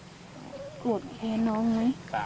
โรคแคร์น้องไง